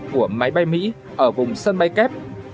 của máy bay mỹ ở vùng sân bay kép